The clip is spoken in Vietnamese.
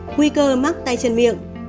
nguy cơ mắc tay chân miệng